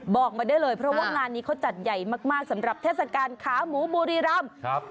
บอกมาได้เลยเพราะว่างานนี้เขาจัดใหญ่มากสำหรับเทศกาลขาหมูบุรีรำครับ